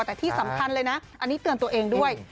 แต่ที่สำคัญเลยนะอันนี้เตือนตัวเองด้วย